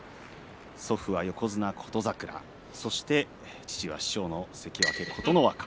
祖父は横綱、琴櫻そして父は師匠の関脇琴ノ若。